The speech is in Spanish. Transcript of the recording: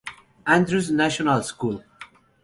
Andrew's National School".